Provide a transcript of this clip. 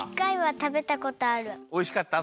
おいしかった？